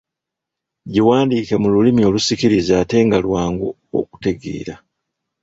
Giwandiike mu lulimi olusikiriza ate nga lwangu okutegeera.